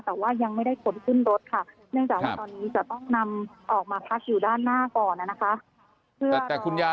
แต่ว่ายังไม่ได้ขนขึ้นรถค่ะเนื่องจากว่าตอนนี้จะต้องนำออกมาพักอยู่ด้านหน้าก่อนนะคะ